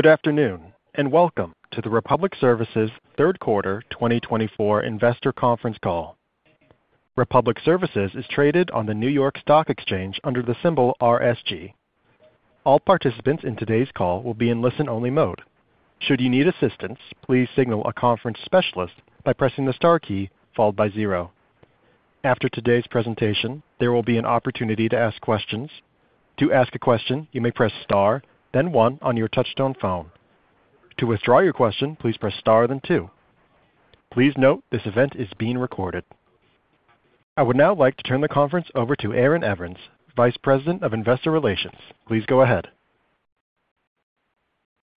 Good afternoon, and welcome to the Republic Services third quarter 2024 Investor Conference Call. Republic Services is traded on the New York Stock Exchange under the symbol RSG. All participants in today's call will be in listen-only mode. Should you need assistance, please signal a conference specialist by pressing the star key followed by zero. After today's presentation, there will be an opportunity to ask questions. To ask a question, you may press star, then one on your touch-tone phone. To withdraw your question, please press star, then two. Please note this event is being recorded. I would now like to turn the conference over to Aaron Evans, Vice President of Investor Relations. Please go ahead.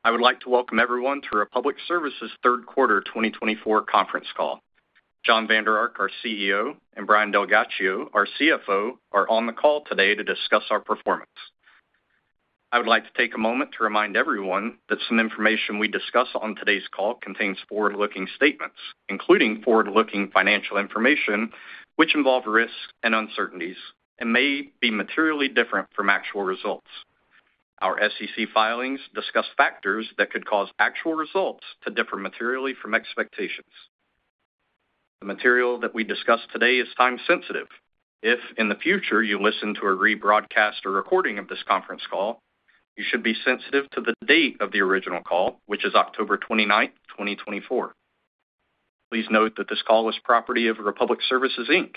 I would like to welcome everyone to Republic Services third quarter 2024 Conference Call. Jon Vander Ark, our CEO, and Brian DelGhiaccio, our CFO, are on the call today to discuss our performance. I would like to take a moment to remind everyone that some information we discuss on today's call contains forward-looking statements, including forward-looking financial information, which involve risks and uncertainties and may be materially different from actual results. Our SEC filings discuss factors that could cause actual results to differ materially from expectations. The material that we discuss today is time-sensitive. If in the future you listen to a rebroadcast or recording of this conference call, you should be sensitive to the date of the original call, which is October 29, 2024. Please note that this call is property of Republic Services, Inc.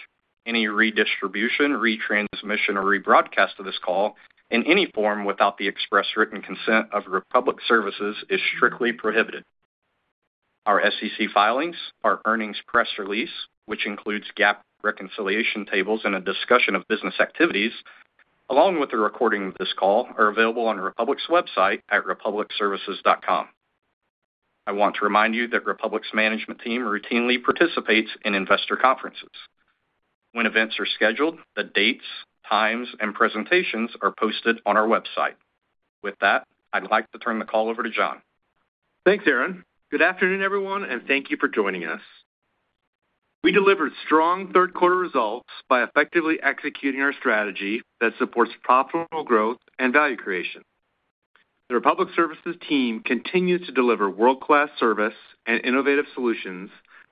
Any redistribution, retransmission, or rebroadcast of this call in any form without the express written consent of Republic Services is strictly prohibited. Our SEC filings, our earnings press release, which includes GAAP reconciliation tables and a discussion of business activities, along with the recording of this call, are available on Republic's website at republicservices.com. I want to remind you that Republic's management team routinely participates in investor conferences. When events are scheduled, the dates, times, and presentations are posted on our website. With that, I'd like to turn the call over to Jon. Thanks, Aaron. Good afternoon, everyone, and thank you for joining us. We delivered strong third quarter results by effectively executing our strategy that supports profitable growth and value creation. The Republic Services team continues to deliver world-class service and innovative solutions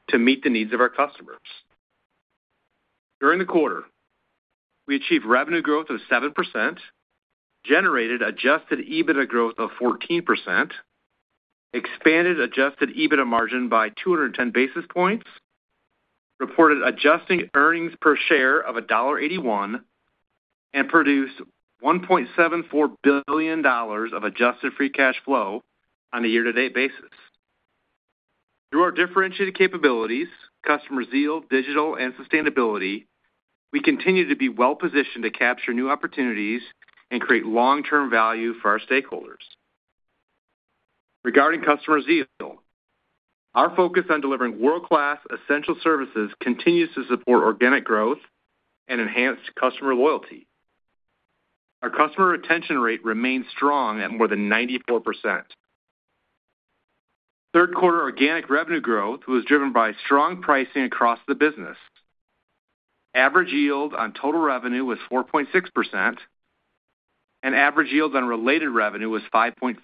to meet the needs of our customers. During the quarter, we achieved revenue growth of 7%, generated adjusted EBITDA growth of 14%, expanded adjusted EBITDA margin by 210 basis points, reported adjusted earnings per share of $1.81, and produced $1.74 billion of adjusted free cash flow on a year-to-date basis. Through our differentiated capabilities, Customer Zeal, digital, and sustainability, we continue to be well-positioned to capture new opportunities and create long-term value for our stakeholders. Regarding Customer Zeal, our focus on delivering world-class essential services continues to support organic growth and enhanced customer loyalty. Our customer retention rate remains strong at more than 94%. Third quarter organic revenue growth was driven by strong pricing across the business. Average yield on total revenue was 4.6%, and average yield on related revenue was 5.5%.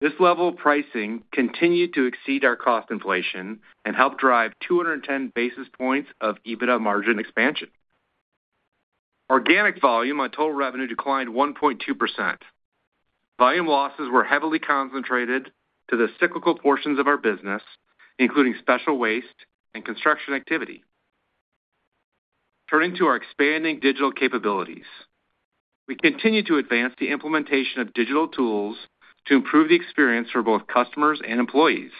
This level of pricing continued to exceed our cost inflation and helped drive 210 basis points of EBITDA margin expansion. Organic volume on total revenue declined 1.2%. Volume losses were heavily concentrated to the cyclical portions of our business, including special waste and construction activity. Turning to our expanding digital capabilities, we continue to advance the implementation of digital tools to improve the experience for both customers and employees.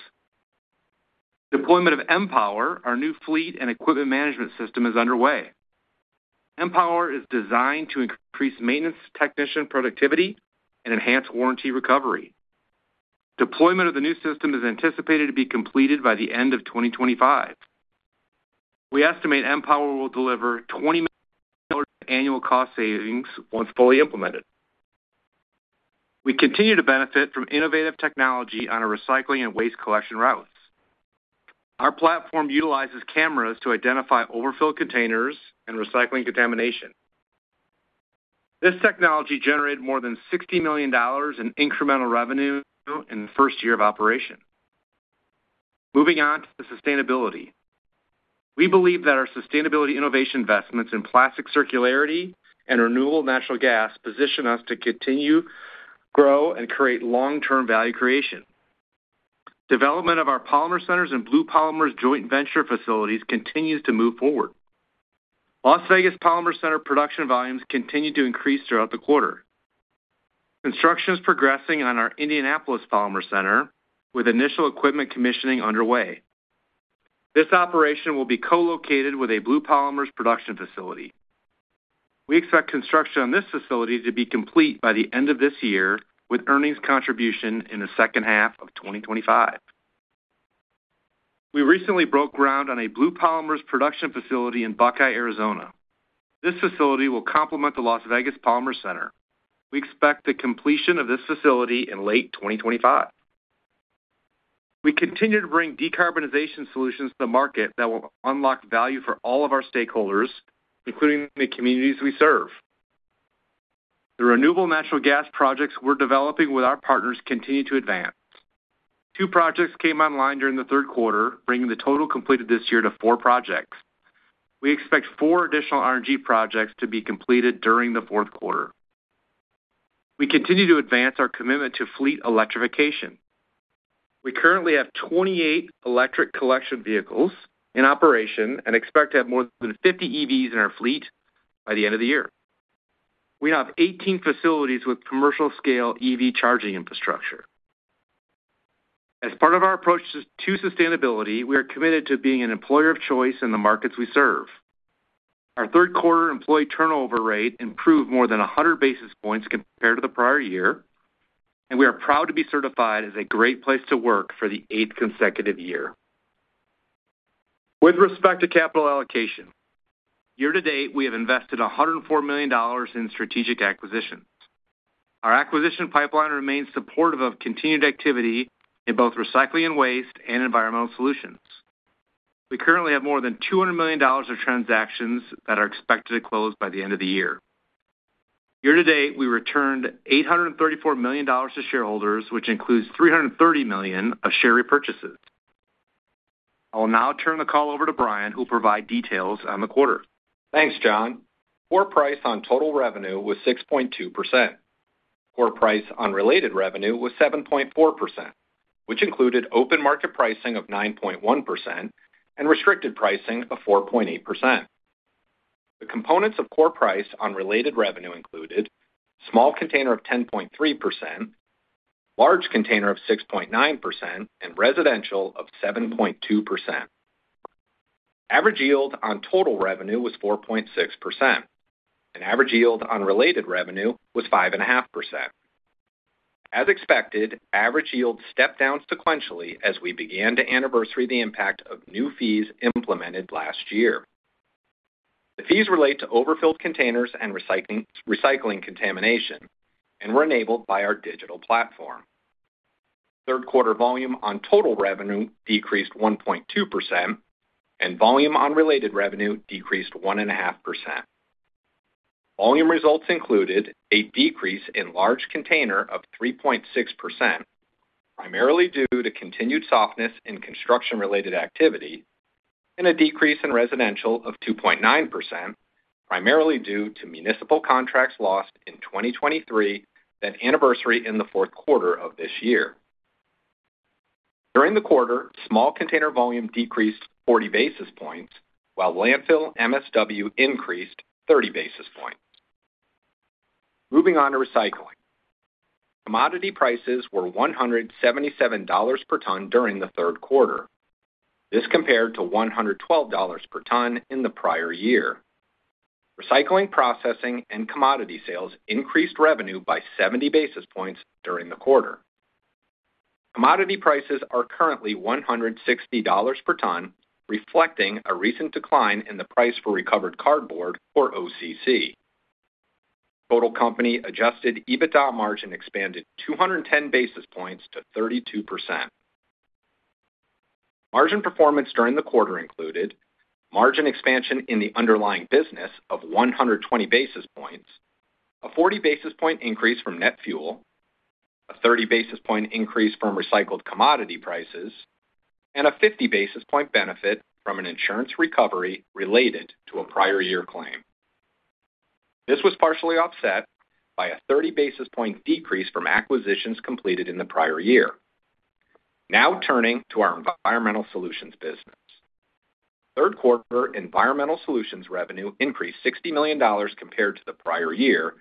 Deployment of mPower, our new fleet and equipment management system, is underway. mPower is designed to increase maintenance technician productivity and enhance warranty recovery. Deployment of the new system is anticipated to be completed by the end of 2025. We estimate mPower will deliver $20 million in annual cost savings once fully implemented. We continue to benefit from innovative technology on our recycling and waste collection routes. Our platform utilizes cameras to identify overfilled containers and recycling contamination. This technology generated more than $60 million in incremental revenue in the first year of operation. Moving on to sustainability, we believe that our sustainability innovation investments in plastic circularity and renewable natural gas position us to continue, grow, and create long-term value creation. Development of our polymer centers and Blue Polymers joint venture facilities continues to move forward. Las Vegas Polymer Center production volumes continue to increase throughout the quarter. Construction is progressing on our Indianapolis Polymer Center with initial equipment commissioning underway. This operation will be co-located with a Blue Polymers production facility. We expect construction on this facility to be complete by the end of this year with earnings contribution in the second half of 2025. We recently broke ground on a Blue Polymers production facility in Buckeye, Arizona. This facility will complement the Las Vegas Polymer Center. We expect the completion of this facility in late 2025. We continue to bring decarbonization solutions to the market that will unlock value for all of our stakeholders, including the communities we serve. The renewable natural gas projects we're developing with our partners continue to advance. Two projects came online during the third quarter, bringing the total completed this year to four projects. We expect four additional RNG projects to be completed during the fourth quarter. We continue to advance our commitment to fleet electrification. We currently have 28 electric collection vehicles in operation and expect to have more than 50 EVs in our fleet by the end of the year. We now have 18 facilities with commercial-scale EV charging infrastructure. As part of our approach to sustainability, we are committed to being an employer of choice in the markets we serve. Our third quarter employee turnover rate improved more than 100 basis points compared to the prior year, and we are proud to be certified as a great place to work for the eighth consecutive year. With respect to capital allocation, year to date, we have invested $104 million in strategic acquisitions. Our acquisition pipeline remains supportive of continued activity in both recycling and waste and Environmental Solutions. We currently have more than $200 million of transactions that are expected to close by the end of the year. Year to date, we returned $834 million to shareholders, which includes $330 million of share repurchases. I will now turn the call over to Brian, who will provide details on the quarter. Thanks, Jon. Core price on total revenue was 6.2%. Core price on related revenue was 7.4%, which included open market pricing of 9.1% and restricted pricing of 4.8%. The components of core price on related revenue included small container of 10.3%, large container of 6.9%, and residential of 7.2%. Average yield on total revenue was 4.6%, and average yield on related revenue was 5.5%. As expected, average yield stepped down sequentially as we began to anniversary the impact of new fees implemented last year. The fees relate to overfilled containers and recycling contamination and were enabled by our digital platform. Third quarter volume on total revenue decreased 1.2%, and volume on related revenue decreased 1.5%. Volume results included a decrease in large container of 3.6%, primarily due to continued softness in construction-related activity, and a decrease in residential of 2.9%, primarily due to municipal contracts lost in 2023 that anniversary in the fourth quarter of this year. During the quarter, small container volume decreased 40 basis points, while landfill MSW increased 30 basis points. Moving on to recycling, commodity prices were $177 per ton during the third quarter. This compared to $112 per ton in the prior year. Recycling, processing, and commodity sales increased revenue by 70 basis points during the quarter. Commodity prices are currently $160 per ton, reflecting a recent decline in the price for recovered cardboard, or OCC. Total company adjusted EBITDA margin expanded 210 basis points to 32%. Margin performance during the quarter included margin expansion in the underlying business of 120 basis points, a 40 basis point increase from net fuel, a 30 basis point increase from recycled commodity prices, and a 50 basis point benefit from an insurance recovery related to a prior year claim. This was partially offset by a 30 basis point decrease from acquisitions completed in the prior year. Now turning to our Environmental Solutions business, third quarter Environmental Solutions revenue increased $60 million compared to the prior year,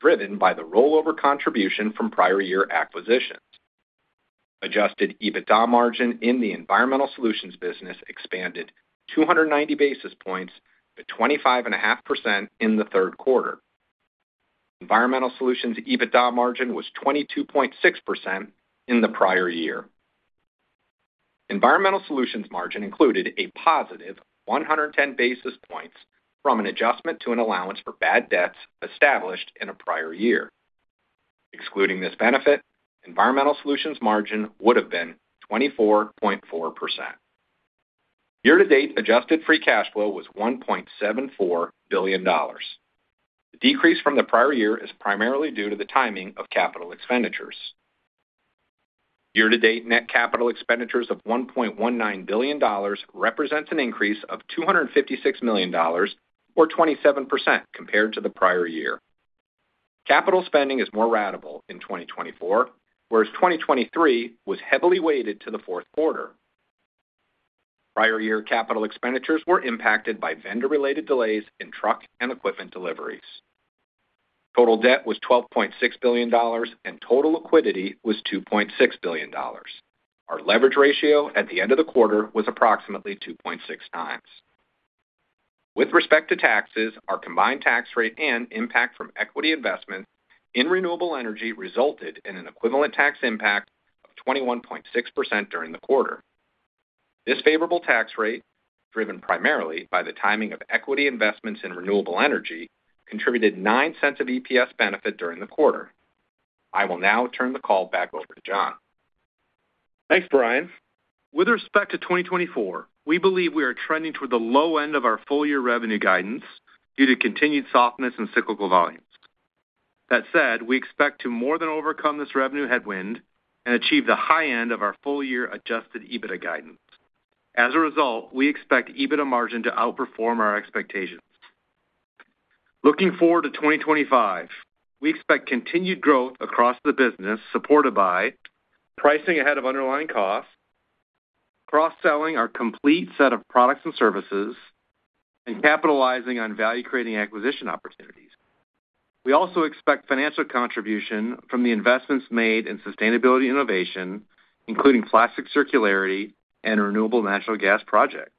driven by the rollover contribution from prior year acquisitions. Adjusted EBITDA margin in the Environmental Solutions business expanded 290 basis points to 25.5% in the third quarter. Environmental Solutions EBITDA margin was 22.6% in the prior year. Environmental Solutions margin included a positive 110 basis points from an adjustment to an allowance for bad debts established in a prior year. Excluding this benefit, Environmental Solutions margin would have been 24.4%. Year-to-date adjusted free cash flow was $1.74 billion. The decrease from the prior year is primarily due to the timing of capital expenditures. Year-to-date net capital expenditures of $1.19 billion represents an increase of $256 million, or 27% compared to the prior year. Capital spending is more ratable in 2024, whereas 2023 was heavily weighted to the fourth quarter. Prior year capital expenditures were impacted by vendor-related delays in truck and equipment deliveries. Total debt was $12.6 billion, and total liquidity was $2.6 billion. Our leverage ratio at the end of the quarter was approximately 2.6x. With respect to taxes, our combined tax rate and impact from equity investment in renewable energy resulted in an equivalent tax impact of 21.6% during the quarter. This favorable tax rate, driven primarily by the timing of equity investments in renewable energy, contributed $0.09 of EPS benefit during the quarter. I will now turn the call back over to Jon. Thanks, Brian. With respect to 2024, we believe we are trending toward the low end of our full-year revenue guidance due to continued softness in cyclical volumes. That said, we expect to more than overcome this revenue headwind and achieve the high end of our full-year Adjusted EBITDA guidance. As a result, we expect EBITDA margin to outperform our expectations. Looking forward to 2025, we expect continued growth across the business supported by pricing ahead of underlying costs, cross-selling our complete set of products and services, and capitalizing on value-creating acquisition opportunities. We also expect financial contribution from the investments made in sustainability innovation, including Plastic Circularity and Renewable Natural Gas projects.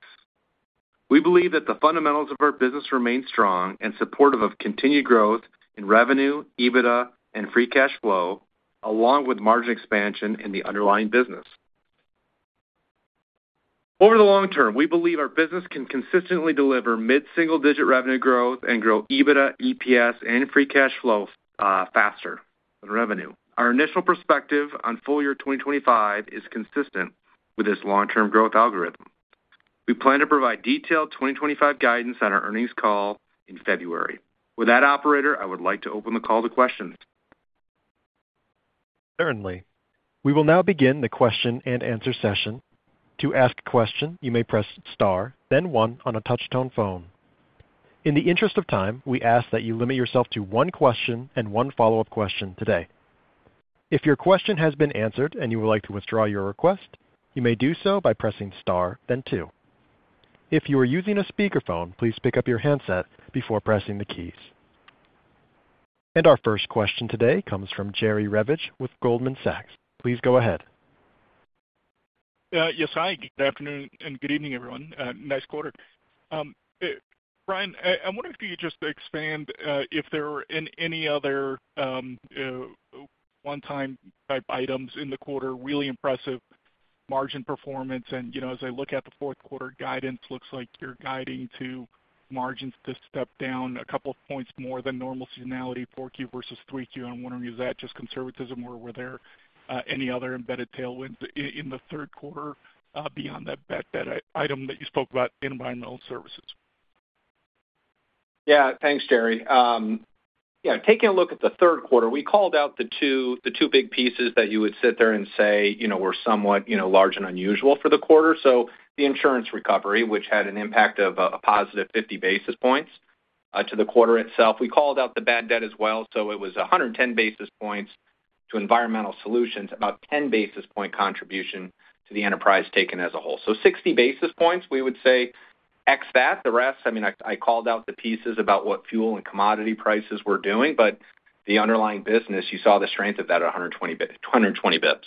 We believe that the fundamentals of our business remain strong and supportive of continued growth in revenue, EBITDA, and free cash flow, along with margin expansion in the underlying business. Over the long term, we believe our business can consistently deliver mid-single-digit revenue growth and grow EBITDA, EPS, and free cash flow faster than revenue. Our initial perspective on full year 2025 is consistent with this long-term growth algorithm. We plan to provide detailed 2025 guidance on our earnings call in February. With that, operator, I would like to open the call to questions. Certainly. We will now begin the question and answer session. To ask a question, you may press star, then one on a touch-tone phone. In the interest of time, we ask that you limit yourself to one question and one follow-up question today. If your question has been answered and you would like to withdraw your request, you may do so by pressing star, then two. If you are using a speakerphone, please pick up your handset before pressing the keys. Our first question today comes from Jerry Revich with Goldman Sachs. Please go ahead. Yes, hi. Good afternoon and good evening, everyone. Nice quarter. Brian, I wonder if you could just expand if there are any other one-time type items in the quarter, really impressive margin performance, and as I look at the fourth quarter guidance, it looks like you're guiding to margins to step down a couple of points more than normal seasonality 4Q versus 3Q. I'm wondering, is that just conservatism or were there any other embedded tailwinds in the third quarter beyond that item that you spoke about, environmental services? Yeah. Thanks, Jerry. Taking a look at the third quarter, we called out the two big pieces that you would sit there and say were somewhat large and unusual for the quarter. So the insurance recovery, which had an impact of a positive 50 basis points to the quarter itself. We called out the bad debt as well. So it was 110 basis points to Environmental Solutions, about 10 basis point contribution to the enterprise taken as a whole. So 60 basis points, we would say X that. The rest, I mean, I called out the pieces about what fuel and commodity prices were doing, but the underlying business, you saw the strength of that at 120 basis points.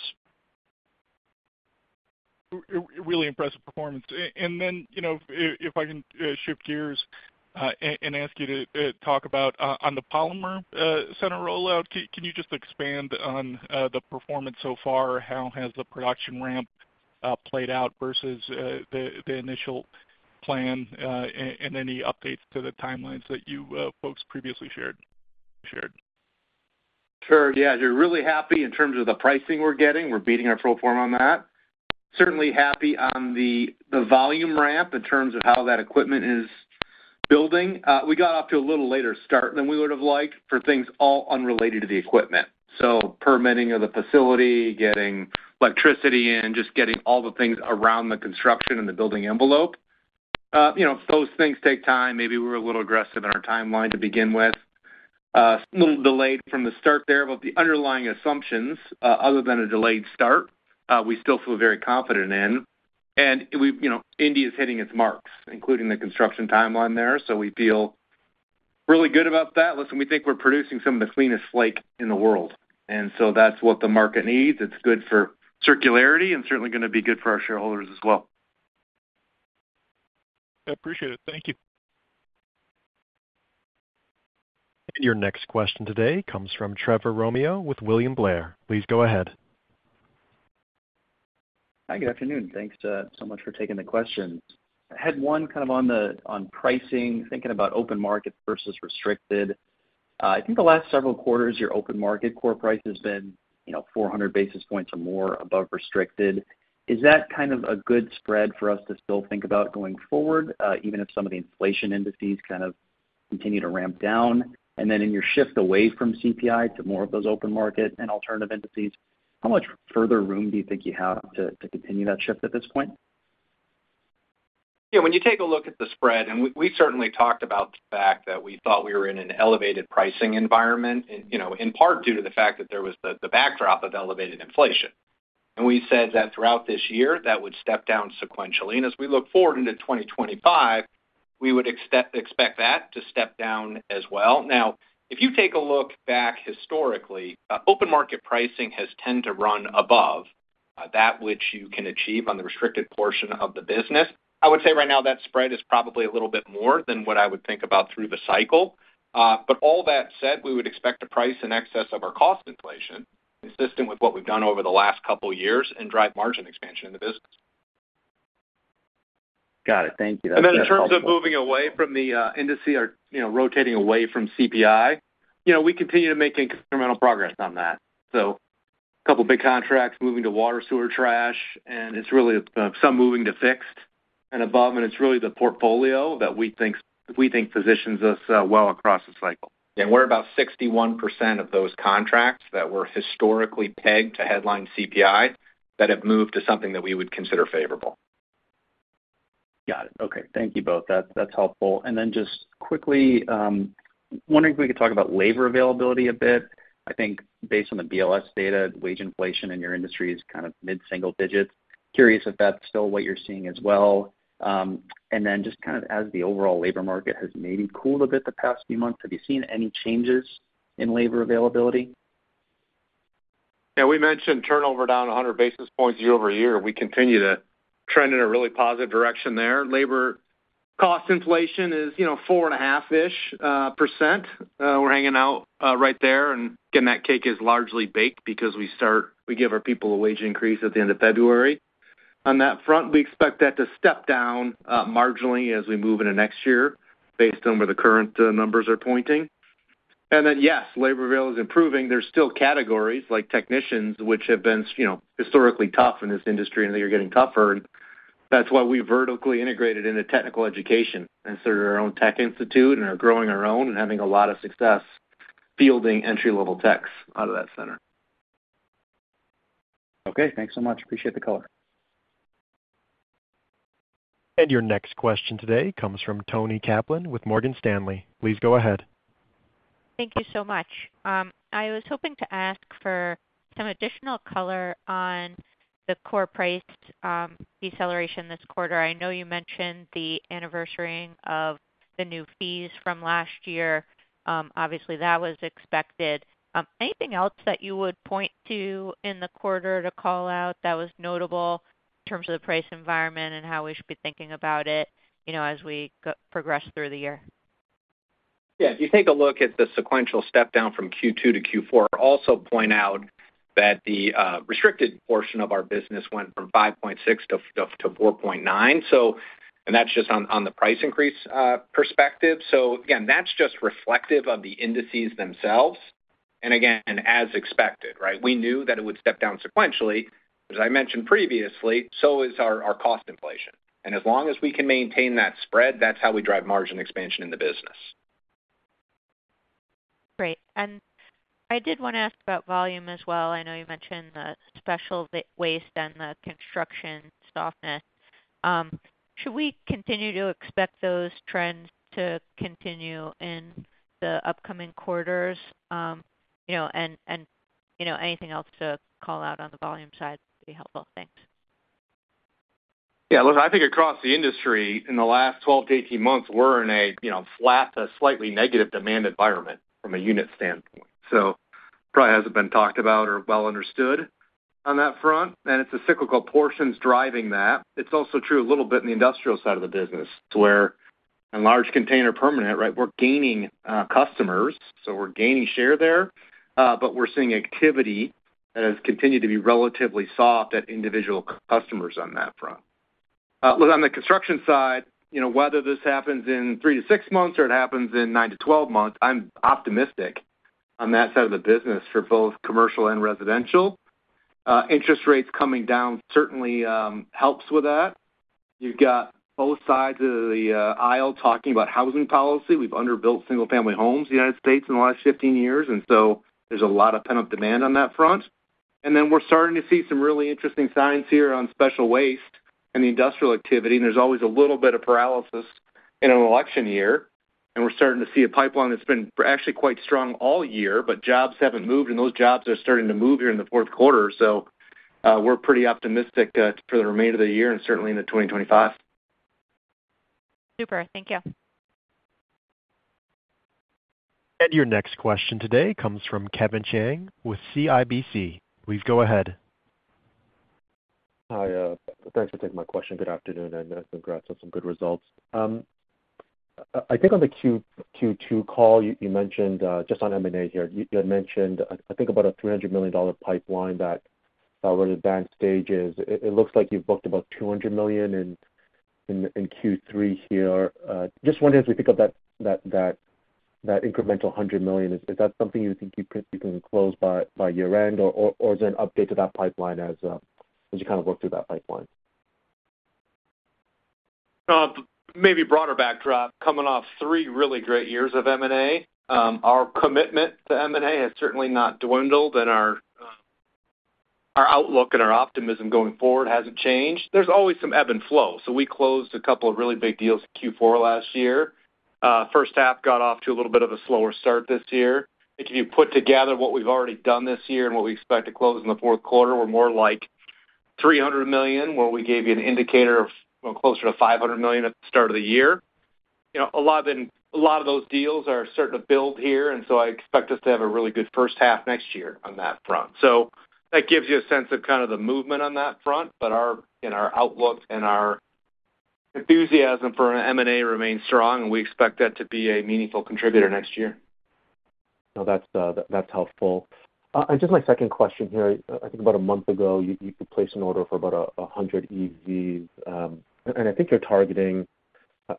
Really impressive performance. And then if I can shift gears and ask you to talk about on the Polymer Center rollout, can you just expand on the performance so far? How has the production ramp played out versus the initial plan and any updates to the timelines that you folks previously shared? Sure. Yeah. You're really happy in terms of the pricing we're getting. We're beating our pro forma on that. Certainly happy on the volume ramp in terms of how that equipment is building. We got off to a little later start than we would have liked for things all unrelated to the equipment. So permitting of the facility, getting electricity in, just getting all the things around the construction and the building envelope. Those things take time. Maybe we were a little aggressive in our timeline to begin with. A little delayed from the start there, but the underlying assumptions, other than a delayed start, we still feel very confident in. And Indianapolis is hitting its marks, including the construction timeline there. So we feel really good about that. Listen, we think we're producing some of the cleanest slate in the world. And so that's what the market needs. It's good for circularity and certainly going to be good for our shareholders as well. I appreciate it. Thank you. Your next question today comes from Trevor Romeo with William Blair. Please go ahead. Hi, good afternoon. Thanks so much for taking the question. I had one kind of on pricing, thinking about open market versus restricted. I think the last several quarters, your open market core price has been 400 basis points or more above restricted. Is that kind of a good spread for us to still think about going forward, even if some of the inflation indices kind of continue to ramp down? And then in your shift away from CPI to more of those open market and alternative indices, how much further room do you think you have to continue that shift at this point? Yeah. When you take a look at the spread, and we certainly talked about the fact that we thought we were in an elevated pricing environment, in part due to the fact that there was the backdrop of elevated inflation, and we said that throughout this year, that would step down sequentially, and as we look forward into 2025, we would expect that to step down as well. Now, if you take a look back historically, open market pricing has tended to run above that which you can achieve on the restricted portion of the business. I would say right now that spread is probably a little bit more than what I would think about through the cycle. But all that said, we would expect to price in excess of our cost inflation, consistent with what we've done over the last couple of years, and drive margin expansion in the business. Got it. Thank you. That's very helpful. And then in terms of moving away from the industry or rotating away from CPI, we continue to make incremental progress on that. So a couple of big contracts moving to water, sewer, trash, and it's really some moving to fixed and above, and it's really the portfolio that we think positions us well across the cycle. And we're about 61% of those contracts that were historically pegged to headline CPI that have moved to something that we would consider favorable. Got it. Okay. Thank you both. That's helpful. And then just quickly, wondering if we could talk about labor availability a bit. I think based on the BLS data, wage inflation in your industry is kind of mid-single digits. Curious if that's still what you're seeing as well. And then just kind of as the overall labor market has maybe cooled a bit the past few months, have you seen any changes in labor availability? Yeah. We mentioned turnover down 100 basis points year over year. We continue to trend in a really positive direction there. Labor cost inflation is 4.5-ish%. We're hanging out right there, and again, that cake is largely baked because we give our people a wage increase at the end of February. On that front, we expect that to step down marginally as we move into next year based on where the current numbers are pointing. And then, yes, labor availability is improving. There's still categories like technicians, which have been historically tough in this industry, and they're getting tougher. And that's why we've vertically integrated into technical education. And so our own tech institute and are growing our own and having a lot of success fielding entry-level techs out of that center. Okay. Thanks so much. Appreciate the color. Your next question today comes from Toni Kaplan with Morgan Stanley. Please go ahead. Thank you so much. I was hoping to ask for some additional color on the core price deceleration this quarter. I know you mentioned the anniversary of the new fees from last year. Obviously, that was expected. Anything else that you would point to in the quarter to call out that was notable in terms of the price environment and how we should be thinking about it as we progress through the year? Yeah. If you take a look at the sequential step down from Q2 to Q4, also point out that the restricted portion of our business went from 5.6 to 4.9, and that's just on the price increase perspective, so again, that's just reflective of the indices themselves, and again, as expected, right? We knew that it would step down sequentially. As I mentioned previously, so is our cost inflation, and as long as we can maintain that spread, that's how we drive margin expansion in the business. Great. And I did want to ask about volume as well. I know you mentioned the special waste and the construction softness. Should we continue to expect those trends to continue in the upcoming quarters? And anything else to call out on the volume side would be helpful. Thanks. Yeah. Listen, I think across the industry in the last 12 to 18 months, we're in a flat, slightly negative demand environment from a unit standpoint. So it probably hasn't been talked about or well understood on that front. And it's a cyclical portion that's driving that. It's also true a little bit in the industrial side of the business where in large container permanent, right, we're gaining customers. So we're gaining share there, but we're seeing activity that has continued to be relatively soft at individual customers on that front. On the construction side, whether this happens in three to six months or it happens in nine to twelve months, I'm optimistic on that side of the business for both commercial and residential. Interest rates coming down certainly helps with that. You've got both sides of the aisle talking about housing policy. We've underbuilt single-family homes in the United States in the last 15 years. And so there's a lot of pent-up demand on that front. And then we're starting to see some really interesting signs here on special waste and the industrial activity. And there's always a little bit of paralysis in an election year. And we're starting to see a pipeline that's been actually quite strong all year, but jobs haven't moved, and those jobs are starting to move here in the fourth quarter. So we're pretty optimistic for the remainder of the year and certainly into 2025. Super. Thank you. And your next question today comes from Kevin Chiang with CIBC. Please go ahead. Hi. Thanks for taking my question. Good afternoon and congrats on some good results. I think on the Q2 call, you mentioned just on M&A here, you had mentioned, I think, about a $300 million pipeline that already backlogs. It looks like you've booked about $200 million in Q3 here. Just wondering, as we think of that incremental $100 million, is that something you think you can close by year-end, or is there an update to that pipeline as you kind of work through that pipeline? Maybe broader backdrop. Coming off three really great years of M&A, our commitment to M&A has certainly not dwindled, and our outlook and our optimism going forward hasn't changed. There's always some ebb and flow. So we closed a couple of really big deals in Q4 last year. First half got off to a little bit of a slower start this year. If you put together what we've already done this year and what we expect to close in the fourth quarter, we're more like $300 million, where we gave you an indicator of closer to $500 million at the start of the year. A lot of those deals are starting to build here. And so I expect us to have a really good first half next year on that front. So that gives you a sense of kind of the movement on that front. But our outlook and our enthusiasm for M&A remains strong, and we expect that to be a meaningful contributor next year. No, that's helpful. And just my second question here. I think about a month ago, you placed an order for about 100 EVs. And I think you're targeting,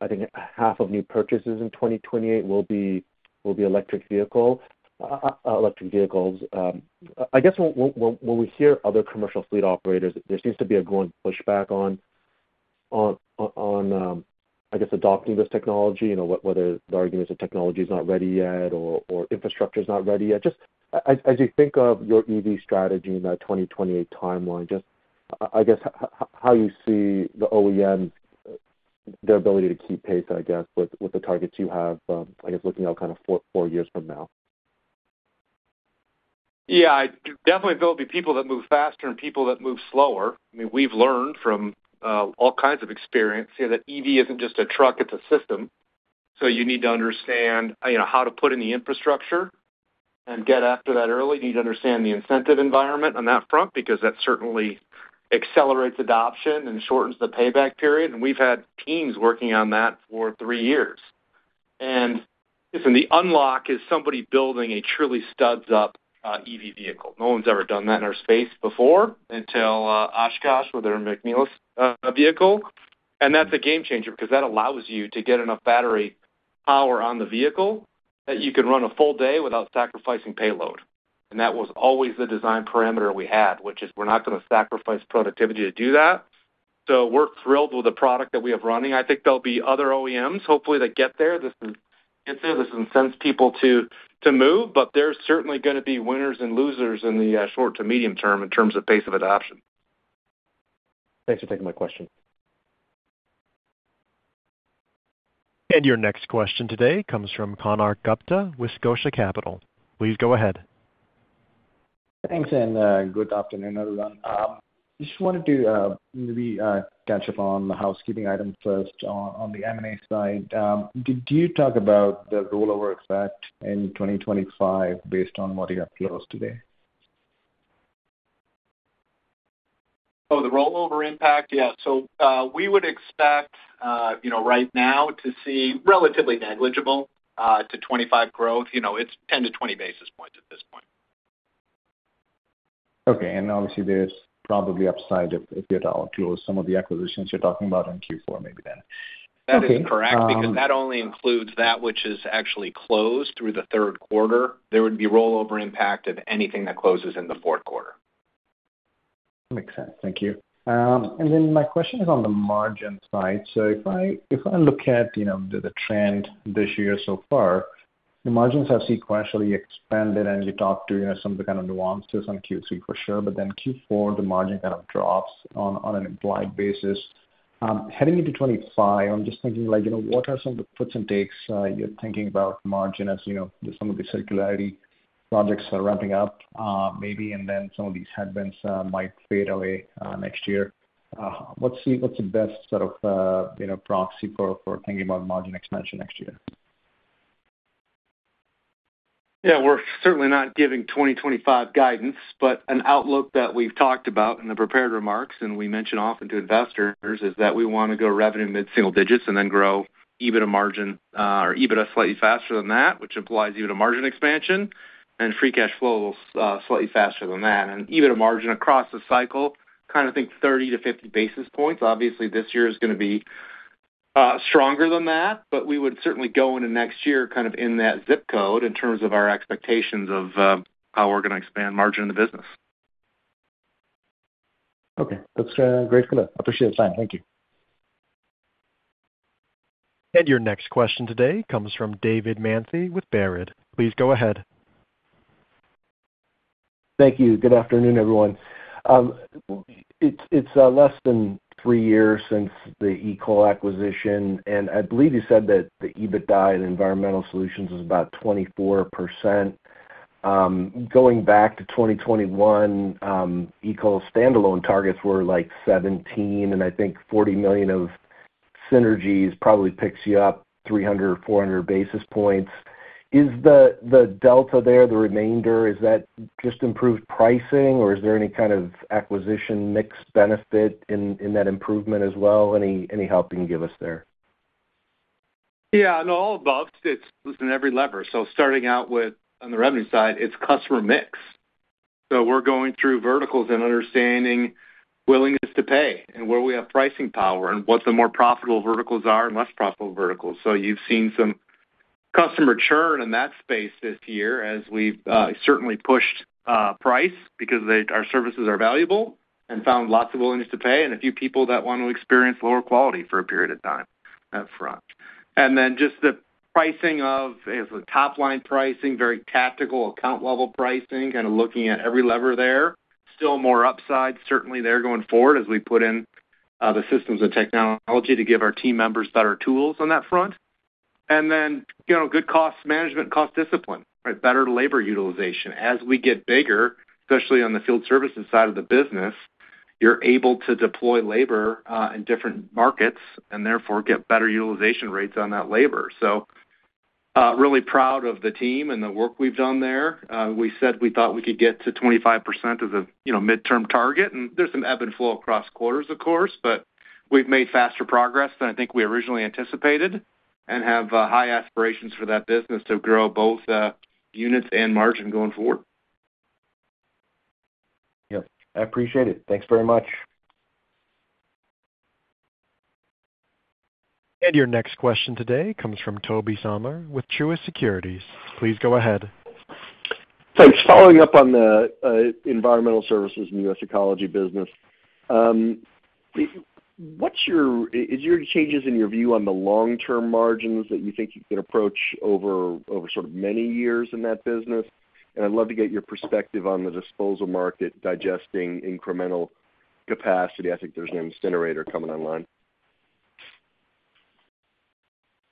I think, half of new purchases in 2028 will be electric vehicles. I guess when we hear other commercial fleet operators, there seems to be a growing pushback on, I guess, adopting this technology, whether the argument is the technology is not ready yet or infrastructure is not ready yet. Just as you think of your EV strategy in that 2028 timeline, just I guess how you see the OEMs, their ability to keep pace, I guess, with the targets you have, I guess, looking out kind of four years from now? Yeah. Definitely, there'll be people that move faster and people that move slower. I mean, we've learned from all kinds of experience here that EV isn't just a truck. It's a system. So you need to understand how to put in the infrastructure and get after that early. You need to understand the incentive environment on that front because that certainly accelerates adoption and shortens the payback period. And we've had teams working on that for three years. And listen, the unlock is somebody building a truly studs-up EV vehicle. No one's ever done that in our space before until Oshkosh with their McNeilus vehicle. And that's a game changer because that allows you to get enough battery power on the vehicle that you can run a full day without sacrificing payload. That was always the design parameter we had, which is we're not going to sacrifice productivity to do that. We're thrilled with the product that we have running. I think there'll be other OEMs, hopefully, that get there. This is an incentive that's going to send people to move, but there's certainly going to be winners and losers in the short to medium term in terms of pace of adoption. Thanks for taking my question. Your next question today comes from Konark Gupta with Scotia Capital. Please go ahead. Thanks. And good afternoon, everyone. I just wanted to maybe catch up on the housekeeping item first on the M&A side. Did you talk about the rollover effect in 2025 based on what you have closed today? Oh, the rollover impact, yeah. So we would expect right now to see relatively negligible to 2-5% growth. It's 10 to 20 basis points at this point. Okay. And obviously, there's probably upside if you're to close some of the acquisitions you're talking about in Q4 maybe then. That is correct because that only includes that which is actually closed through the third quarter. There would be rollover impact of anything that closes in the fourth quarter. Makes sense. Thank you. And then my question is on the margin side. So if I look at the trend this year so far, the margins have sequentially expanded, and you talked to some of the kind of nuances on Q3 for sure. But then fourth quarter, the margin kind of drops on an implied basis. Heading into 2025, I'm just thinking like, what are some of the puts and takes you're thinking about margin as some of the circularity projects are ramping up maybe, and then some of these headwinds might fade away next year? What's the best sort of proxy for thinking about margin expansion next year? Yeah. We're certainly not giving 2025 guidance, but an outlook that we've talked about in the prepared remarks, and we mention often to investors, is that we want to grow revenue mid-single digits and then grow EBITDA margin or EBITDA slightly faster than that, which implies EBITDA margin expansion and free cash flow slightly faster than that. And EBITDA margin across the cycle, kind of think 30 to 50 basis points. Obviously, this year is going to be stronger than that, but we would certainly go into next year kind of in that zip code in terms of our expectations of how we're going to expand margin in the business. Okay. That's great for us. Appreciate the time. Thank you. Your next question today comes from David Manthey with Baird. Please go ahead. Thank you. Good afternoon, everyone. It's less than three years since the ECOL acquisition. And I believe you said that the EBITDA in Environmental Solutions is about 24%. Going back to 2021, ECOL standalone targets were like 17%, and I think $40 million of synergies probably picks you up 300 or 400 basis points. Is the delta there, the remainder, is that just improved pricing, or is there any kind of acquisition mix benefit in that improvement as well? Any help you can give us there? Yeah. No, all above. It's listing every lever. So starting out with, on the revenue side, it's customer mix. So we're going through verticals and understanding willingness to pay and where we have pricing power and what the more profitable verticals are and less profitable verticals. So you've seen some customer churn in that space this year as we've certainly pushed price because our services are valuable and found lots of willingness to pay and a few people that want to experience lower quality for a period of time up front. And then just the pricing, top-line pricing, very tactical account-level pricing, kind of looking at every lever there, still more upside, certainly there going forward as we put in the systems and technology to give our team members better tools on that front. And then good cost management, cost discipline, better labor utilization. As we get bigger, especially on the field services side of the business, you're able to deploy labor in different markets and therefore get better utilization rates on that labor. So really proud of the team and the work we've done there. We said we thought we could get to 25% as a midterm target. And there's some ebb and flow across quarters, of course, but we've made faster progress than I think we originally anticipated and have high aspirations for that business to grow both units and margin going forward. Yep. I appreciate it. Thanks very much. Your next question today comes from Tobey Sommer with Truist Securities. Please go ahead. Thanks. Following up on the environmental services and US Ecology business, is there any changes in your view on the long-term margins that you think you can approach over sort of many years in that business? And I'd love to get your perspective on the disposal market digesting incremental capacity. I think there's an incinerator coming online.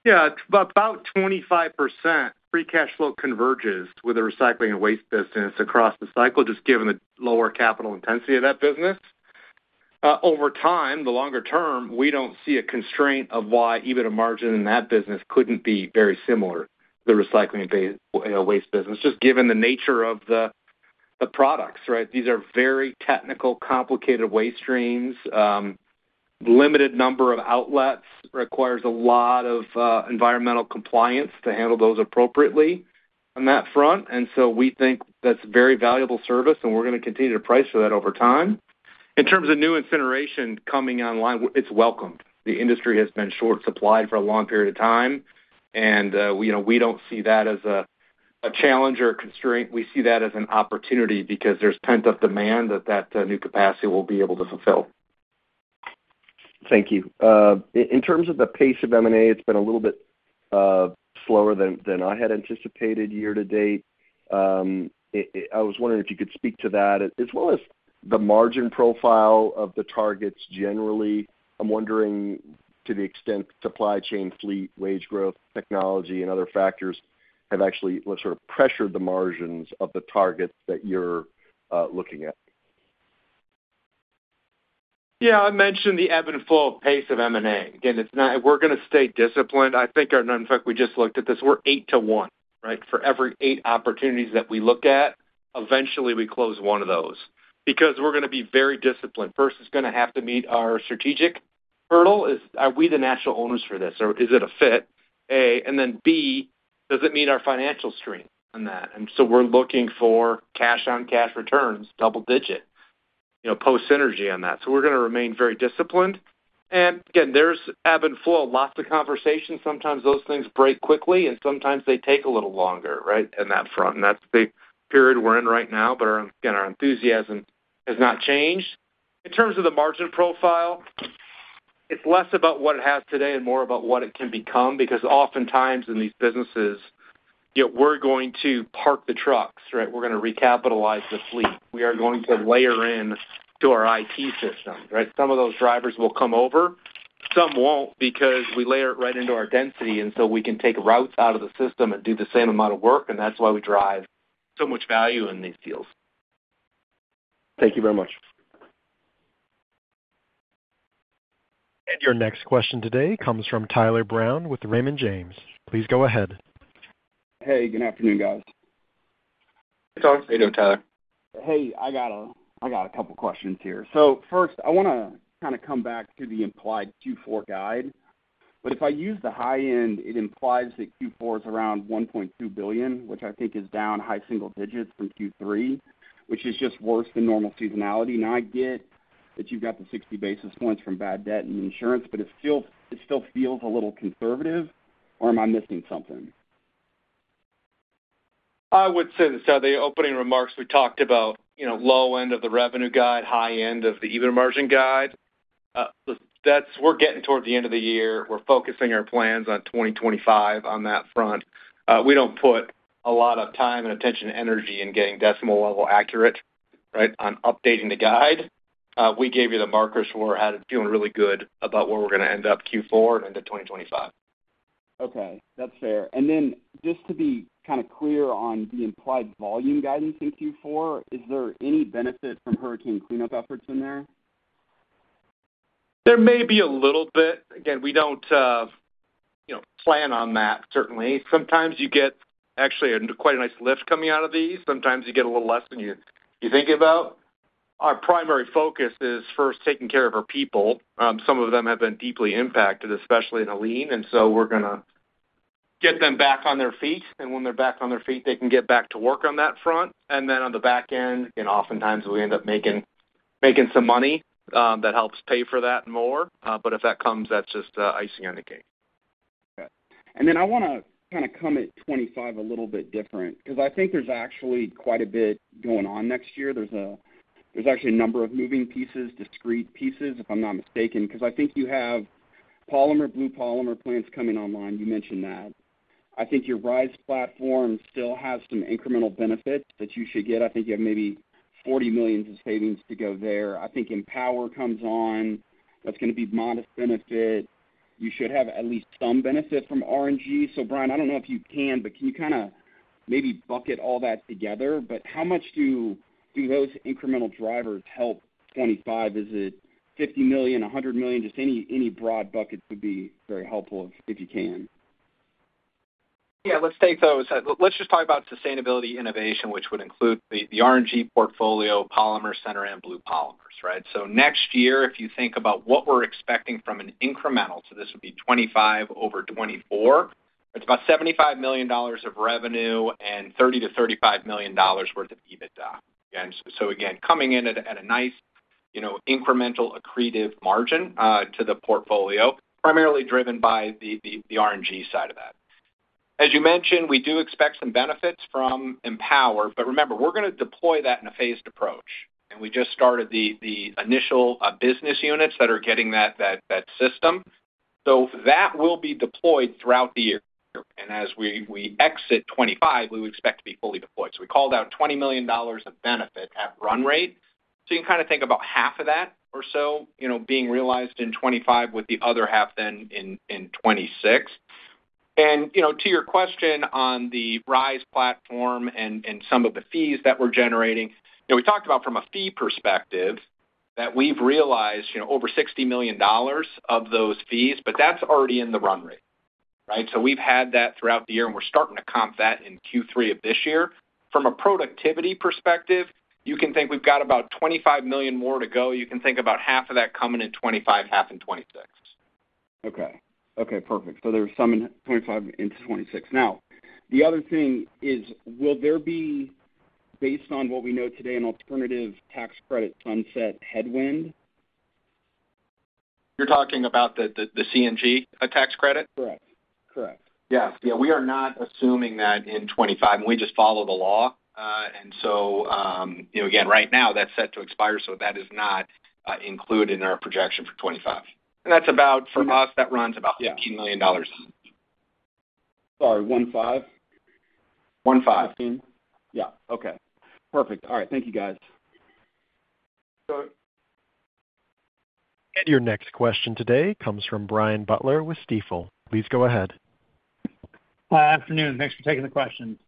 Yeah. About 25% free cash flow converges with the recycling and waste business across the cycle, just given the lower capital intensity of that business. Over time, the longer term, we don't see a constraint of why EBITDA margin in that business couldn't be very similar to the recycling and waste business, just given the nature of the products, right? These are very technical, complicated waste streams. Limited number of outlets requires a lot of environmental compliance to handle those appropriately on that front. And so we think that's a very valuable service, and we're going to continue to price for that over time. In terms of new incineration coming online, it's welcomed. The industry has been short supplied for a long period of time, and we don't see that as a challenge or a constraint. We see that as an opportunity because there's pent-up demand that that new capacity will be able to fulfill. Thank you. In terms of the pace of M&A, it's been a little bit slower than I had anticipated year to date. I was wondering if you could speak to that. As well as the margin profile of the targets generally, I'm wondering to the extent supply chain, fleet, wage growth, technology, and other factors have actually sort of pressured the margins of the targets that you're looking at? Yeah. I mentioned the ebb and flow pace of M&A. Again, we're going to stay disciplined. I think our number, in fact, we just looked at this, we're eight to one, right? For every eight opportunities that we look at, eventually we close one of those because we're going to be very disciplined. First, it's going to have to meet our strategic hurdle. Are we the natural owners for this? Or is it a fit? And then B, does it meet our financial screen on that? And so we're looking for cash-on-cash returns, double-digit, post-synergy on that. So we're going to remain very disciplined. And again, there's ebb and flow, lots of conversations. Sometimes those things break quickly, and sometimes they take a little longer, right, in that front. And that's the period we're in right now, but again, our enthusiasm has not changed. In terms of the margin profile, it's less about what it has today and more about what it can become because oftentimes in these businesses, we're going to park the trucks, right? We're going to recapitalize the fleet. We are going to layer in to our IT system, right? Some of those drivers will come over. Some won't because we layer it right into our density and so we can take routes out of the system and do the same amount of work. And that's why we drive so much value in these deals. Thank you very much. Your next question today comes from Tyler Brown with Raymond James. Please go ahead. Hey, good afternoon, guys. Hey, Tyler. How you doing, Tyler? Hey. I got a couple of questions here. So first, I want to kind of come back to the implied Q4 guide. But if I use the high-end, it implies that Q4 is around $1.2 billion, which I think is down high single digits from Q3, which is just worse than normal seasonality. And I get that you've got the 60 basis points from bad debt and insurance, but it still feels a little conservative. Or am I missing something? I would say the opening remarks we talked about, low end of the revenue guide, high end of the EBITDA margin guide. We're getting toward the end of the year. We're focusing our plans on 2025 on that front. We don't put a lot of time and attention and energy in getting decimal-level accurate, right, on updating the guide. We gave you the markers for how to feel really good about where we're going to end up Q4 and into 2025. Okay. That's fair. And then just to be kind of clear on the implied volume guidance in Q4, is there any benefit from hurricane cleanup efforts in there? There may be a little bit. Again, we don't plan on that, certainly. Sometimes you get actually quite a nice lift coming out of these. Sometimes you get a little less than you're thinking about. Our primary focus is first taking care of our people. Some of them have been deeply impacted, especially in Helene. And so we're going to get them back on their feet. And when they're back on their feet, they can get back to work on that front. And then on the back end, oftentimes we end up making some money that helps pay for that more. But if that comes, that's just icing on the cake. Okay. And then I want to kind of come at 2025 a little bit different because I think there's actually quite a bit going on next year. There's actually a number of moving pieces, discrete pieces, if I'm not mistaken, because I think you have polymer, Blue Polymers plants coming online. You mentioned that. I think your RISE platform still has some incremental benefits that you should get. I think you have maybe $40 million in savings to go there. I think mPower comes on. That's going to be modest benefit. You should have at least some benefit from RNG. So Brian, I don't know if you can, but can you kind of maybe bucket all that together? But how much do those incremental drivers help 2025? Is it $50 million, $100 million? Just any broad bucket would be very helpful if you can. Yeah. Let's take those. Let's just talk about sustainability innovation, which would include the RNG portfolio, polymer center, and Blue Polymers, right? So next year, if you think about what we're expecting from an incremental, so this would be 2025 over 2024, it's about $75 million of revenue and $30-$35 million worth of EBITDA. Again, so again, coming in at a nice incremental accretive margin to the portfolio, primarily driven by the RNG side of that. As you mentioned, we do expect some benefits from mPower, but remember, we're going to deploy that in a phased approach. And we just started the initial business units that are getting that system. So that will be deployed throughout the year. And as we exit 2025, we expect to be fully deployed. So we called out $20 million of benefit at run rate. So you can kind of think about half of that or so being realized in 2025 with the other half then in 2026. And to your question on the RISE platform and some of the fees that we're generating, we talked about from a fee perspective that we've realized over $60 million of those fees, but that's already in the run rate, right? So we've had that throughout the year, and we're starting to comp that in Q3 of this year. From a productivity perspective, you can think we've got about 25 million more to go. You can think about half of that coming in 2025, half in 2026. Okay. Okay. Perfect. So there's some in 2025 into 2026. Now, the other thing is, will there be, based on what we know today, an alternative tax credit sunset headwind? You're talking about the CNG tax credit? Correct. Correct. Yes. Yeah. We are not assuming that in 2025. We just follow the law, and so again, right now, that's set to expire, so that is not included in our projection for 2025, and that's about, for us, that runs about $15 million. Sorry. 15? 15. 15? Yeah. Okay. Perfect. All right. Thank you, guys. So. And your next question today comes from Brian Butler with Stifel. Please go ahead. Hi, afternoon. Thanks for taking the question.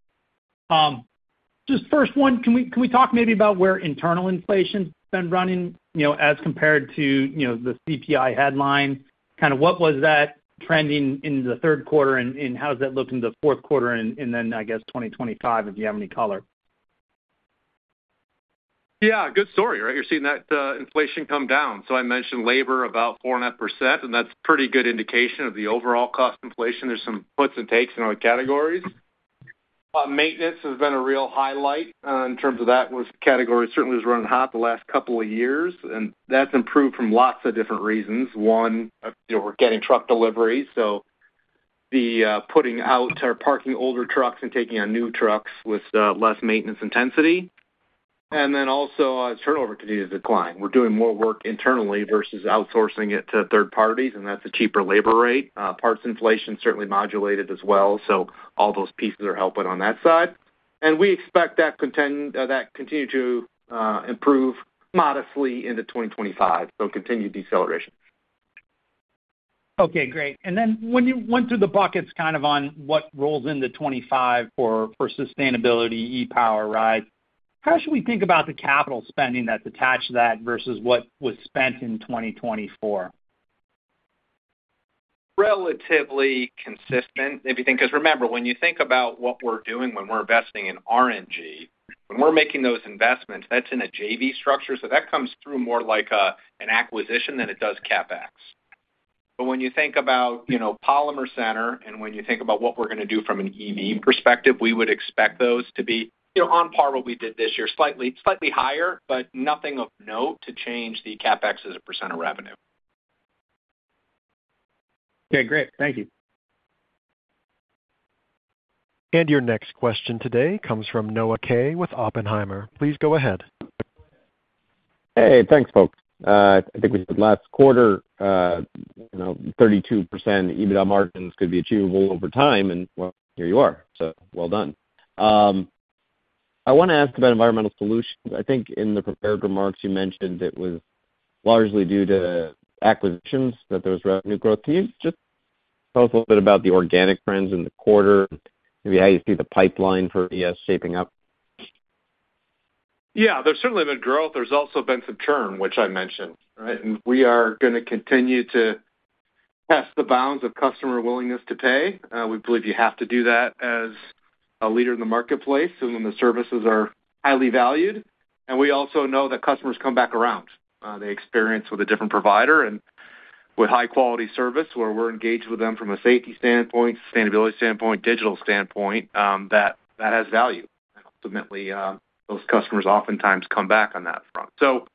Just first one, can we talk maybe about where internal inflation's been running as compared to the CPI headline? Kind of what was that trending in the third quarter, and how's that looking the fourth quarter, and then I guess 2025, if you have any color? Yeah. Good story, right? You're seeing that inflation come down. So I mentioned labor about 4.5%, and that's a pretty good indication of the overall cost inflation. There's some puts and takes in other categories. Maintenance has been a real highlight in terms of that category. Certainly, it was running hot the last couple of years, and that's improved from lots of different reasons. One, we're getting truck deliveries, so the putting out or parking older trucks and taking on new trucks with less maintenance intensity. And then also, turnover continues to decline. We're doing more work internally versus outsourcing it to third parties, and that's a cheaper labor rate. Parts inflation certainly modulated as well. So all those pieces are helping on that side. And we expect that to continue to improve modestly into 2025. So continued deceleration. Okay. Great. And then when you went through the buckets kind of on what rolls into 2025 for sustainability, mPower, right, how should we think about the capital spending that's attached to that versus what was spent in 2024? Relatively consistent, if you think because remember, when you think about what we're doing when we're investing in RNG, when we're making those investments, that's in a JV structure. So that comes through more like an acquisition than it does CapEx. But when you think about Polymer Center and when you think about what we're going to do from an EV perspective, we would expect those to be on par with what we did this year, slightly higher, but nothing of note to change the CapEx as a % of revenue. Okay. Great. Thank you. Your next question today comes from Noah Kaye with Oppenheimer. Please go ahead. Hey. Thanks, folks. I think we said last quarter, 32% EBITDA margins could be achievable over time. And well, here you are. So well done. I want to ask about Environmental Solutions. I think in the prepared remarks, you mentioned it was largely due to acquisitions that there was revenue growth. Can you just tell us a little bit about the organic trends in the quarter? Maybe how you see the pipeline for ES shaping up? Yeah. There's certainly been growth. There's also been some churn, which I mentioned, right? And we are going to continue to test the bounds of customer willingness to pay. We believe you have to do that as a leader in the marketplace and when the services are highly valued. And we also know that customers come back around. They experience with a different provider and with high-quality service where we're engaged with them from a safety standpoint, sustainability standpoint, digital standpoint, that has value. And ultimately, those customers oftentimes come back on that front. So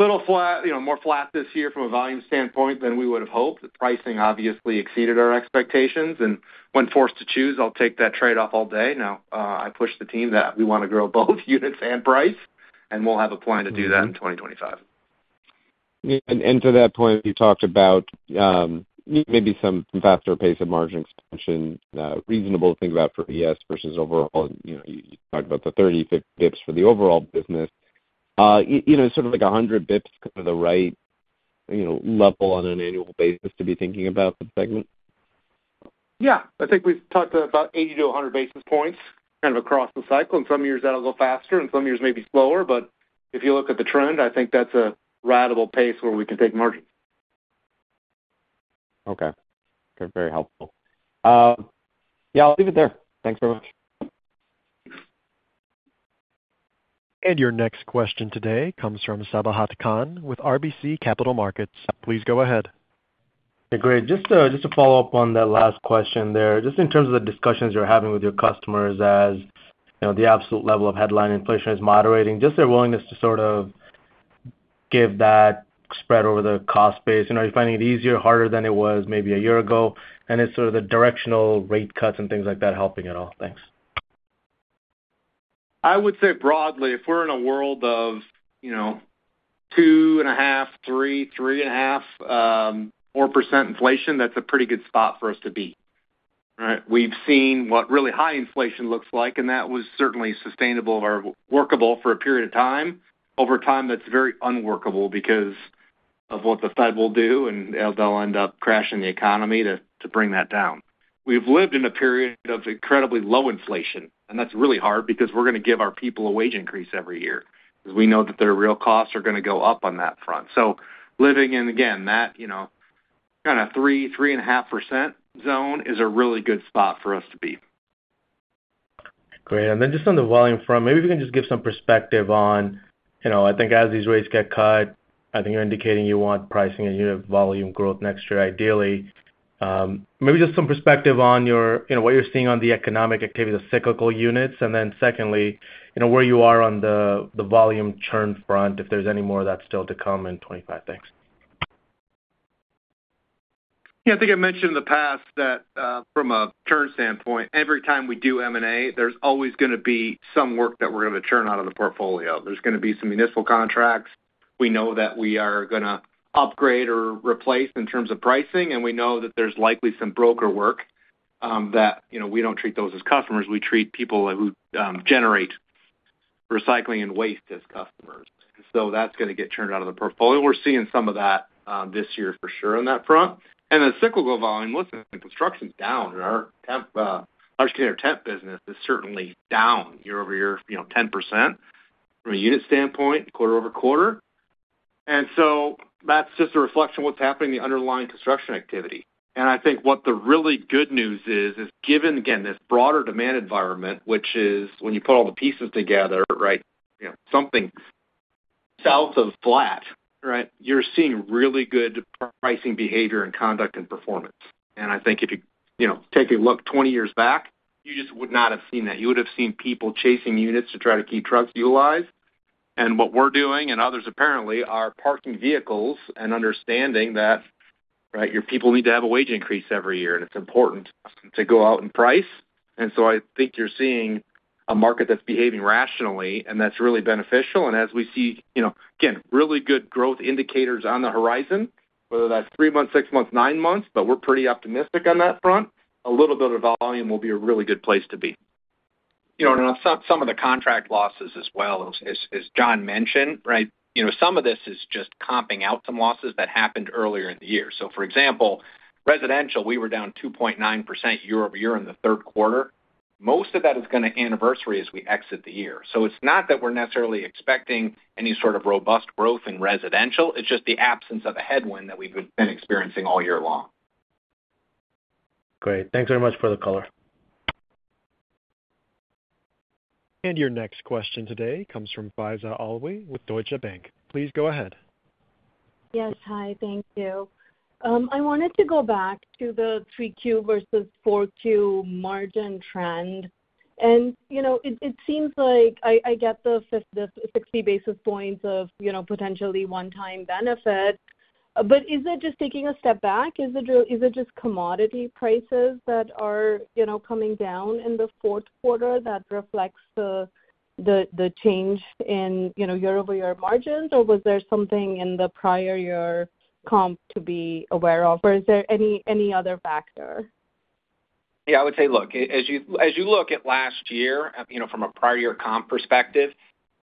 a little more flat this year from a volume standpoint than we would have hoped. The pricing obviously exceeded our expectations. And when forced to choose, I'll take that trade-off all day. Now, I pushed the team that we want to grow both units and price, and we'll have a plan to do that in 2025. And to that point, you talked about maybe some faster pace of margin expansion reasonable to think about for ES versus overall. You talked about the 30 basis points for the overall business. Is sort of like 100 basis points kind of the right level on an annual basis to be thinking about for the segment? Yeah. I think we've talked about 80-100 basis points kind of across the cycle. In some years, that'll go faster, and some years may be slower. But if you look at the trend, I think that's a rideable pace where we can take margins. Okay. Okay. Very helpful. Yeah. I'll leave it there. Thanks very much. Your next question today comes from Sabahat Khan with RBC Capital Markets. Please go ahead. Okay. Great. Just to follow up on that last question there, just in terms of the discussions you're having with your customers as the absolute level of headline inflation is moderating, just their willingness to sort of give that spread over the cost base. Are you finding it easier, harder than it was maybe a year ago? And is sort of the directional rate cuts and things like that helping at all? Thanks. I would say broadly, if we're in a world of 2.5, 3, 3.5, 4% inflation, that's a pretty good spot for us to be, right? We've seen what really high inflation looks like, and that was certainly sustainable or workable for a period of time. Over time, that's very unworkable because of what the Fed will do, and they'll end up crashing the economy to bring that down. We've lived in a period of incredibly low inflation, and that's really hard because we're going to give our people a wage increase every year because we know that their real costs are going to go up on that front. So living in, again, that kind of 3, 3.5% zone is a really good spot for us to be. Great. And then just on the volume front, maybe if you can just give some perspective on, I think as these rates get cut, I think you're indicating you want pricing and unit volume growth next year, ideally. Maybe just some perspective on what you're seeing on the economic activity of the cyclical units. And then secondly, where you are on the volume churn front, if there's any more of that still to come in 2025. Thanks. Yeah. I think I mentioned in the past that from a churn standpoint, every time we do M&A, there's always going to be some work that we're going to churn out of the portfolio. There's going to be some municipal contracts. We know that we are going to upgrade or replace in terms of pricing, and we know that there's likely some broker work that we don't treat those as customers. We treat people who generate recycling and waste as customers. And so that's going to get churned out of the portfolio. We're seeing some of that this year for sure on that front. And the cyclical volume, listen, construction's down. Our large container and business is certainly down year-over-year 10% from a unit standpoint, quarter over quarter. And so that's just a reflection of what's happening in the underlying construction activity. I think what the really good news is, given, again, this broader demand environment, which is when you put all the pieces together, right, something south of flat, right, you're seeing really good pricing behavior and conduct and performance. I think if you take a look 20 years back, you just would not have seen that. You would have seen people chasing units to try to keep trucks utilized. What we're doing and others apparently are parking vehicles and understanding that, right, your people need to have a wage increase every year, and it's important to go out and price. I think you're seeing a market that's behaving rationally, and that's really beneficial. As we see, again, really good growth indicators on the horizon, whether that's three months, six months, nine months, but we're pretty optimistic on that front. A little bit of volume will be a really good place to be. Some of the contract losses as well, as Jon mentioned, right. Some of this is just comping out some losses that happened earlier in the year. For example, residential, we were down 2.9% year-over-year in the third quarter. Most of that is going to anniversary as we exit the year. It's not that we're necessarily expecting any sort of robust growth in residential. It's just the absence of a headwind that we've been experiencing all year long. Great. Thanks very much for the color. Your next question today comes from Faiza Alwy with Deutsche Bank. Please go ahead. Yes. Hi. Thank you. I wanted to go back to the 3Q versus 4Q margin trend, and it seems like I get the 60 basis points of potentially one-time benefits, but is it just taking a step back? Is it just commodity prices that are coming down in the fourth quarter that reflects the change in year-over-year margins, or was there something in the prior year comp to be aware of, or is there any other factor? Yeah. I would say, look, as you look at last year from a prior year comp perspective,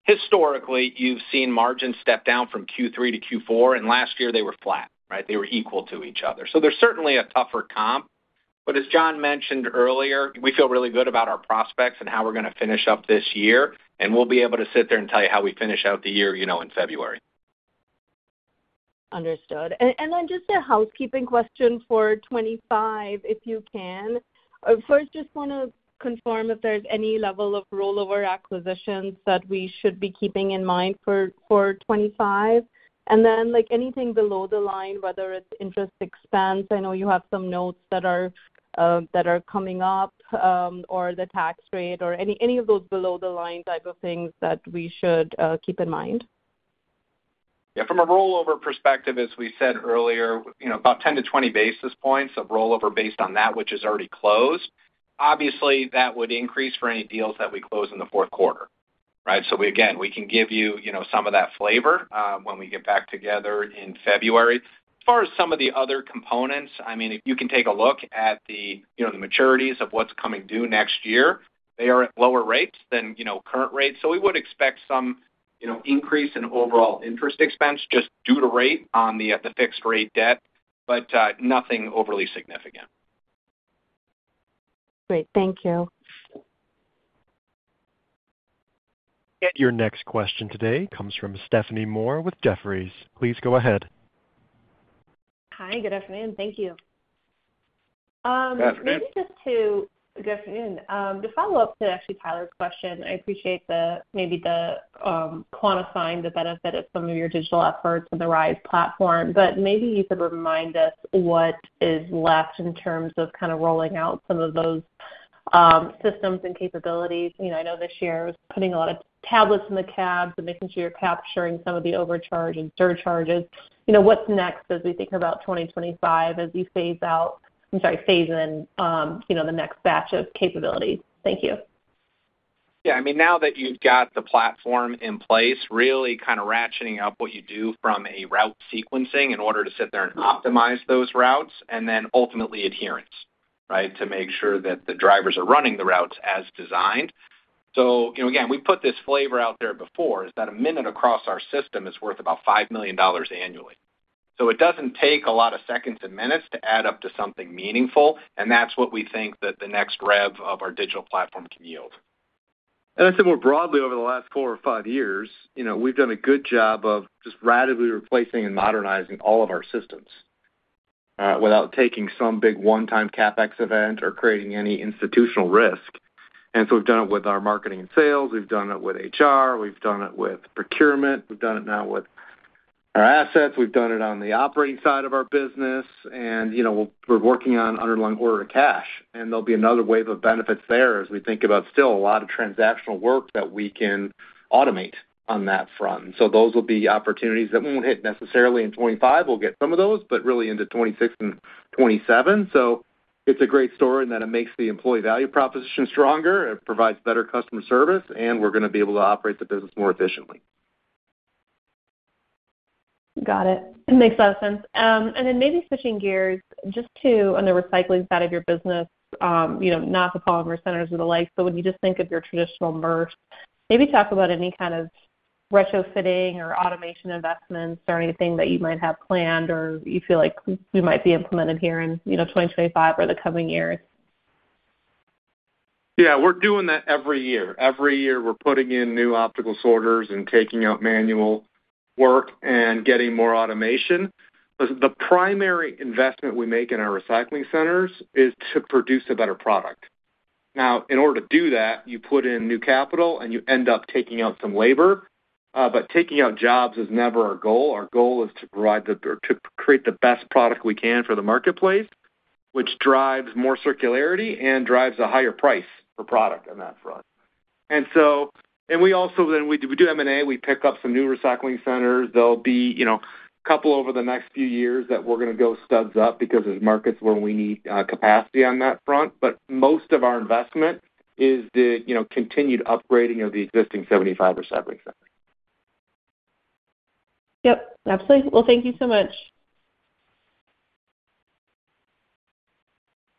historically, you've seen margins step down from Q3 to Q4, and last year, they were flat, right? They were equal to each other. So there's certainly a tougher comp. But as Jon mentioned earlier, we feel really good about our prospects and how we're going to finish up this year, and we'll be able to sit there and tell you how we finish out the year in February. Understood. And then just a housekeeping question for 2025, if you can. First, just want to confirm if there's any level of rollover acquisitions that we should be keeping in mind for 2025. And then anything below the line, whether it's interest expense, I know you have some notes that are coming up, or the tax rate or any of those below-the-line type of things that we should keep in mind. Yeah. From a rollover perspective, as we said earlier, about 10-20 basis points of rollover based on that, which is already closed. Obviously, that would increase for any deals that we close in the fourth quarter right? So again, we can give you some of that flavor when we get back together in February. As far as some of the other components, I mean, if you can take a look at the maturities of what's coming due next year, they are at lower rates than current rates. So we would expect some increase in overall interest expense just due to rate on the fixed-rate debt, but nothing overly significant. Great. Thank you. And your next question today comes from Stephanie Moore with Jefferies. Please go ahead. Hi. Good afternoon. Thank you. Good afternoon. Maybe just to- good afternoon. To follow up to actually Tyler's question, I appreciate maybe quantifying the benefit of some of your digital efforts and the RISE platform. But maybe you could remind us what is left in terms of kind of rolling out some of those systems and capabilities. I know this year I was putting a lot of tablets in the cabs and making sure you're capturing some of the overcharges and surcharges. What's next as we think about 2025 as you phase out, I'm sorry, phase in the next batch of capabilities? Thank you. Yeah. I mean, now that you've got the platform in place, really kind of ratcheting up what you do from a route sequencing in order to sit there and optimize those routes, and then ultimately adherence, right, to make sure that the drivers are running the routes as designed. So again, we put this flavor out there before. Is that a minute across our system is worth about $5 million annually. So it doesn't take a lot of seconds and minutes to add up to something meaningful, and that's what we think that the next rev of our digital platform can yield. And I'd say more broadly, over the last four or five years, we've done a good job of just radically replacing and modernizing all of our systems without taking some big one-time CapEx event or creating any institutional risk. We've done it with our marketing and sales. We've done it with HR. We've done it with procurement. We've done it now with our assets. We've done it on the operating side of our business. We're working on underlying order to cash. There'll be another wave of benefits there as we think about still a lot of transactional work that we can automate on that front. Those will be opportunities that won't hit necessarily in 2025. We'll get some of those, but really into 2026 and 2027. It's a great story in that it makes the employee value proposition stronger. It provides better customer service, and we're going to be able to operate the business more efficiently. Got it. Makes a lot of sense. And then maybe switching gears just to on the recycling side of your business, not the polymer centers and the like. So when you just think of your traditional MRFs, maybe talk about any kind of retrofitting or automation investments or anything that you might have planned or you feel like we might be implementing here in 2025 or the coming years. Yeah. We're doing that every year. Every year, we're putting in new optical sorters and taking out manual work and getting more automation. The primary investment we make in our recycling centers is to produce a better product. Now, in order to do that, you put in new capital, and you end up taking out some labor. But taking out jobs is never our goal. Our goal is to provide the—or to create the best product we can for the marketplace, which drives more circularity and drives a higher price for product on that front. And we also then—we do M&A. We pick up some new recycling centers. There'll be a couple over the next few years that we're going to go studs up because there's markets where we need capacity on that front. But most of our investment is the continued upgrading of the existing 75 or 70 centers. Yep. Absolutely. Well, thank you so much.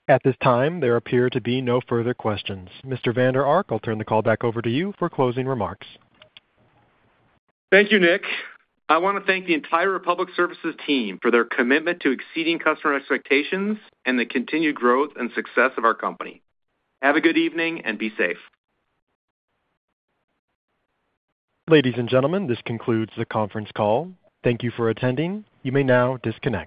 At this time, there appear to be no further questions. Mr. Vander Ark, I'll turn the call back over to you for closing remarks. Thank you, Nick. I want to thank the entire Republic Services team for their commitment to exceeding customer expectations and the continued growth and success of our company. Have a good evening and be safe. Ladies and gentlemen, this concludes the conference call. Thank you for attending. You may now disconnect.